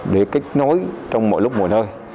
để kết nối trong mọi lúc mọi nơi